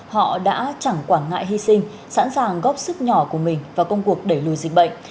họ đã chẳng quản ngại hy sinh sẵn sàng góp sức nhỏ của mình vào công cuộc đẩy lùi dịch bệnh